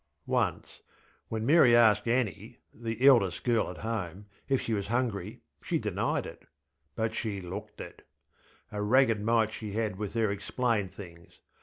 Once, when Mary asked Annie, the eldest girl at home, if she was hungry, she denied itŌĆöbut she looked it. A ragged mite she had with her explained things.